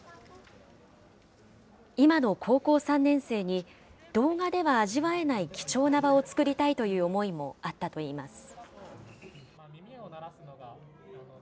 今の高校３年生に、動画では味わえない貴重な場を作りたいという思いもあったといいます。